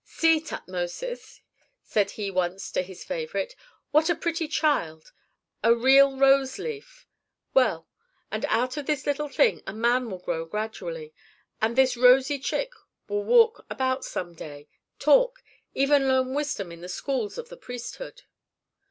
"See, Tutmosis," said he once to his favorite, "what a pretty child: a real rose leaf! Well, and out of this little thing a man will grow gradually. And this rosy chick will walk about some day, talk, even learn wisdom in the schools of the priesthood."